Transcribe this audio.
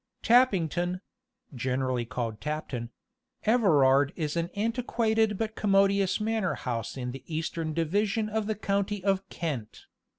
Tappington (generally called Tapton) Everard is an antiquated but commodious manor house in the eastern division of the county of Kent.